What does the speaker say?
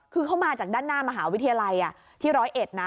คือเขามาจากด้านหน้ามหาวิทยาลัยที่๑๐๑นะ